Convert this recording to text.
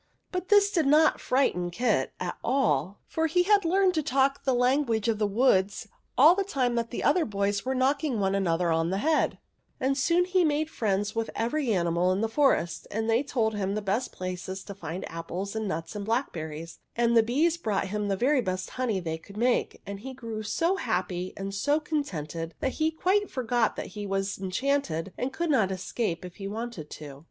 But this did not frighten Kit at all, for he had learned to talk the language of the woods all the time that the other boys were knocking one another on the head ; and so he soon made friends with every animal in the forest, and they told him the best places to find apples and nuts and blackberries, and the bees brought him the very best honey they 14 THE WEIRD WITCH could make, and he grew so happy and so contented that he quite forgot he was en chanted and could not escape if he wanted to.